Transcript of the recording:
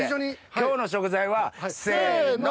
今日の食材は。せの！